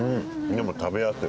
でも食べやすい。